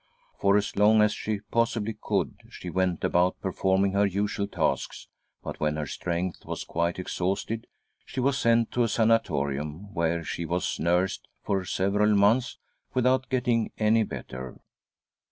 For as long as she possibly could she went about performing her usual tasks, but when her strength was quite exhausted she was sent to a sanatorium, where she was nursed for several months without getting any better.